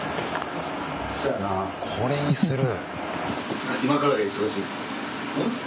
これにする？